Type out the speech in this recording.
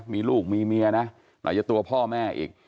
มีลูกมีเมียนะไหนจะตัวพ่อแม่อีก